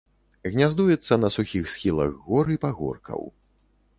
Гняздуецца на сухіх схілах гор і пагоркаў.